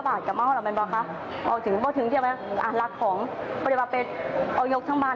ว่าแต่เอาหัวไหวกันมา